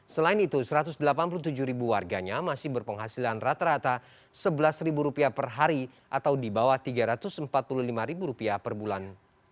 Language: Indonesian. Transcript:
selain itu satu ratus delapan puluh tujuh ribu warganya masih berpenghasilan rata rata rp sebelas per hari atau di bawah rp tiga ratus empat puluh lima per bulan